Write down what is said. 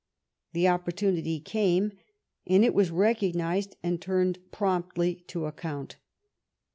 The opportunity came, and it was recognized and turned promptly to account.